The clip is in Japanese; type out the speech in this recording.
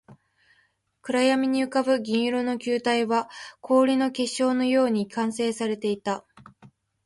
暗闇に浮ぶ銀色の球体は、氷の結晶のように完成されていた